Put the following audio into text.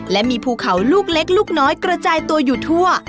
และมีภูเขาลูกเล็กลูกน้อยกระจายตัวอยู่ทั่ว